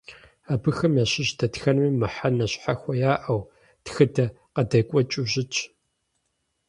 Абыхэм ящыщ дэтхэнэми мыхьэнэ щхьэхуэ яӀэу, тхыдэ къадекӀуэкӀыу щытщ.